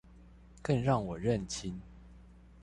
更讓我認清